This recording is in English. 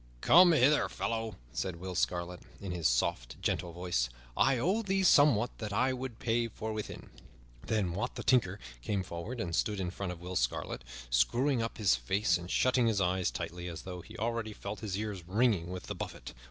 "Come hither, fellow," said Will Scarlet, in his soft, gentle voice, "I owe thee somewhat that I would pay forthwith." Then Wat, the Tinker, came forward and stood in front of Will Scarlet, screwing up his face and shutting his eyes tightly, as though he already felt his ears ringing with the buffet.